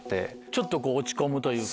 ちょっと落ち込むというか。